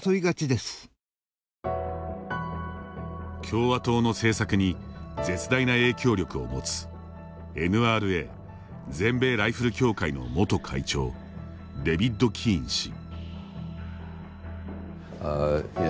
共和党の政策に絶大な影響力を持つＮＲＡ＝全米ライフル協会の元会長、デビッド・キーン氏。